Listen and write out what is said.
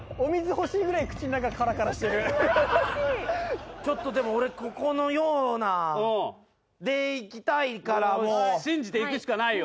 欲しいちょっとでも俺ここのようなでいきたいからもう信じていくしかないよ